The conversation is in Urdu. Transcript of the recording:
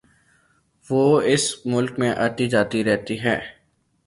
وہ اس ملک میں آتی جاتی رہتی ہے